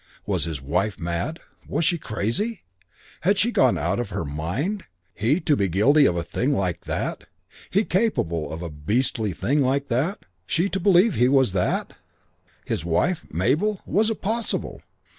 Was his wife mad? Was she crazy? Had she gone out of her mind? He to be guilty of a thing like that? He capable of a beastly thing like that? She to believe, she to believe he was that? His wife? Mabel? Was it possible?